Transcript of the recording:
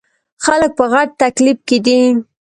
خلک په غټ تکليف کښې دے ـ